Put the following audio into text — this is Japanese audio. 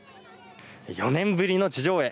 ４年ぶりの地上絵